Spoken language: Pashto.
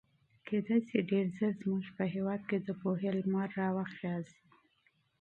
ښايي ډېر ژر زموږ په هېواد کې د پوهې لمر راوخېږي.